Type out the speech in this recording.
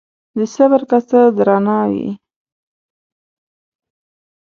د صبر کاسه درانه وي